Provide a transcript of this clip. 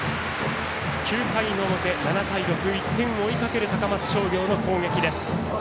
９回の表、７対６１点を追いかける高松商業の攻撃です。